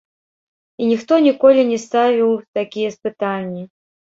І ніхто ніколі не ставіў такія пытанні.